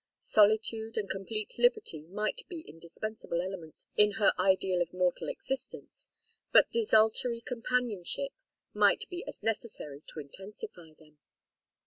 Solitude and complete liberty might be indispensable elements in her ideal of mortal existence, but desultory companionship might be as necessary to intensify them.